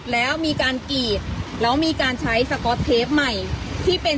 แล้วมีการกรีดแล้วมีการใช้สก๊อตเทปใหม่ที่เป็น